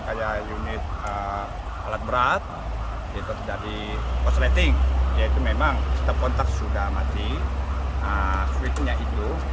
kayak unit alat berat itu sudah di korsleting yaitu memang step kontak sudah mati sweetnya itu